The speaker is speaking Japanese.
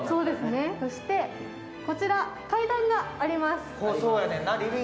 そして、階段があります。